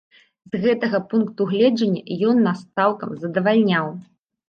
З гэтага пункту гледжання ён нас цалкам задавальняў.